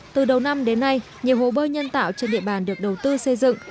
từ đầu năm đến nay nhiều hồ bơi nhân tạo trên địa bàn được đầu tư xây dựng